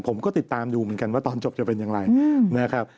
ผมก็ติดตามดูเหมือนกันว่าตอนจบจะเป็นอย่างไรนะครับ